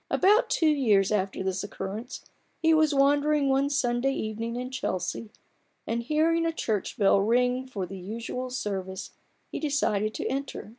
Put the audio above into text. About two years after this occurrence he was wandering one Sunday evening in Chelsea, and hearing a church bell ring for the usual service, he decided to enter.